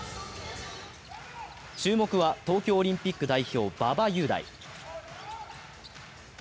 注目は東京オリンピック代表、馬場雄大。